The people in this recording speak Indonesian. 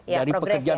ya progres ya